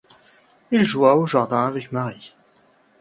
Il joua au jardin avec Marie.